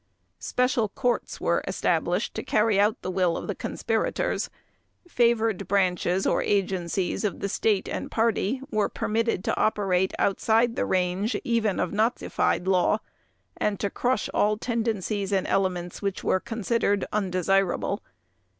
Special courts were established to carry out the will of the conspirators; favored branches or agencies of the State and Party were permitted to operate outside the range even of nazified law and to crush all tendencies and elements which were considered "undesirable".